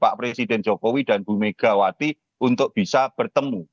pak presiden jokowi dan bu megawati untuk bisa bertemu